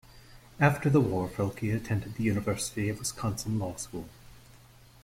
After the war Froehlke attended the University of Wisconsin Law School.